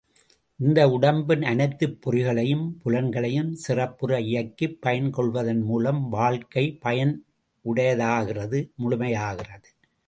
இந்த உடம்பின் அனைத்துப் பொறிகளையும் புலன்களையும் சிறப்புற இயக்கிப் பயன் கொள்வதன் மூலம் வாழ்க்கை பயனுடையதாகிறது முழுமையாகிறது.